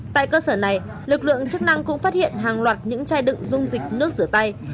tại cơ sở này lực lượng chức năng cũng phát hiện hàng loạt những chai đựng dung dịch nước rửa tay